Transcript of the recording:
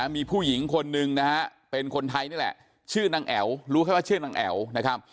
มีผู้หญิงคนนึงนะฮะเป็นคนไทยนี่แหละชื่อนางแอ๋วรู้แค่ว่าชื่อนางแอ๋วนะครับ